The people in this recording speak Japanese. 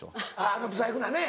あのブサイクなね。